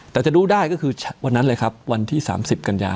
แต่จะรู้ได้ก็คือวันนั้นเลยครับวันที่๓๐กันยา